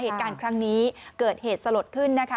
เหตุการณ์ครั้งนี้เกิดเหตุสลดขึ้นนะคะ